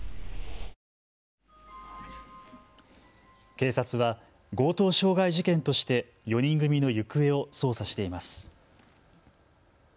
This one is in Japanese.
警察は強盗傷害事件として４人組の行方を捜査しています。